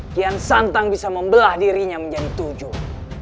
kian santang bisa membelah dirinya menjadi tujuh